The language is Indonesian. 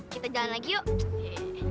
kita jalan lagi yuk